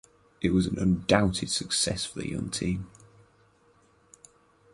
It was an undoubted success for the young team.